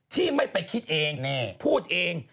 ที่ไม่ไปคิดเองพูดเอง